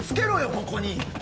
ここに！